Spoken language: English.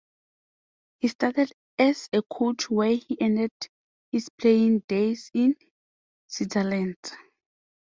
He started as a coach where he ended his playing days-in Switzerland.